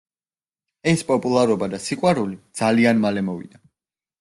ეს პოპულარობა და სიყვარული ძალიან მალე მოვიდა.